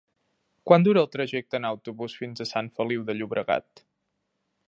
Quant dura el trajecte en autobús fins a Sant Feliu de Llobregat?